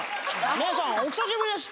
皆さんお久しぶりです！